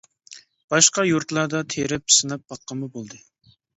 باشقا يۇرتلاردا تىرىپ سىناپ باققانمۇ بولدى.